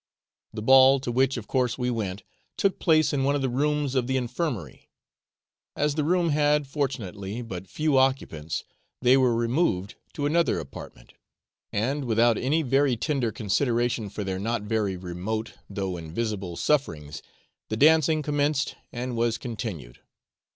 The ball, to which of course we went, took place in one of the rooms of the Infirmary. As the room had, fortunately, but few occupants, they were removed to another apartment, and, without any very tender consideration for their not very remote, though invisible, sufferings, the dancing commenced, and was continued.